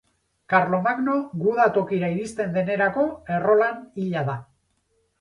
Karlomagno guda tokira iristen denerako, Errolan hila da.